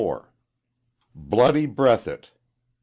BLOODY BREATHITT.